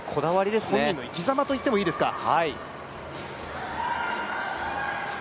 本人の生きざまといってもいいですか。